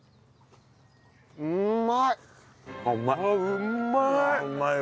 うまい。